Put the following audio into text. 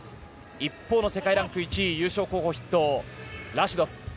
一方の世界ランク１位優勝候補のラシドフ。